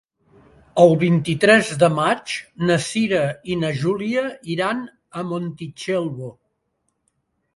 El vint-i-tres de maig na Cira i na Júlia iran a Montitxelvo.